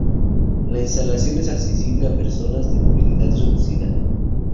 La instalación es accesible a personas de movilidad reducida.